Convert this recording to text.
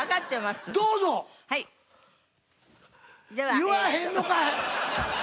言わへんのかい！